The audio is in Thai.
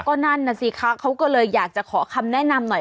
ก็นั่นน่ะสิคะเขาก็เลยอยากจะขอคำแนะนำหน่อย